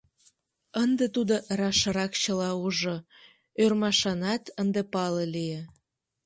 Ынде тудо рашрак чыла ужо, ӧрмашанат ынде пале лие.